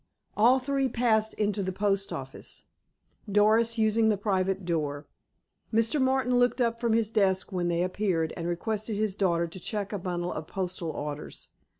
All three passed into the post office, Doris using the private door. Mr. Martin looked up from his desk when they appeared, and requested his daughter to check a bundle of postal orders.